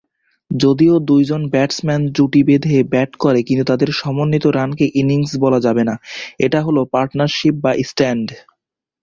যদিও দুইজন ব্যাটসম্যান জুটি বেঁধে ব্যাট করে, কিন্তু তাদের সমন্বিত রানকে ইনিংস বলা যাবে না, এটা হল পার্টনারশিপ বা স্ট্যান্ড।